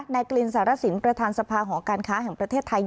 กลินสารสินประธานสภาหอการค้าแห่งประเทศไทย